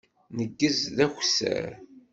Neggez d akessar.